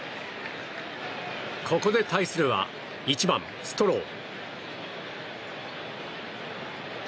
ここで対するは１番、ストロー。